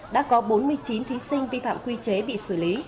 đã có bốn mươi chín thí sinh vi phạm quy chế bị xử lý